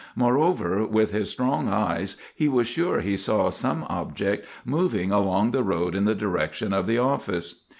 Moreover, with his strong eyes he was sure he saw some object moving along the road in the direction of the office.